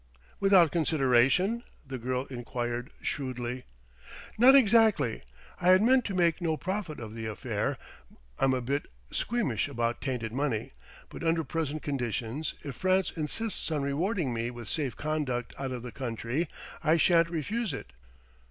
"Without consideration?" the girl enquired shrewdly. "Not exactly. I had meant to make no profit of the affair I'm a bit squeamish about tainted money! but under present conditions, if France insists on rewarding me with safe conduct out of the country, I shan't refuse it....